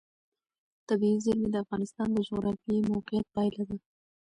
طبیعي زیرمې د افغانستان د جغرافیایي موقیعت پایله ده.